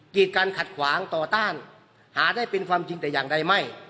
กิจการขัดขวางต่อต้านหาได้เป็นความจริงแต่อย่างใดไม่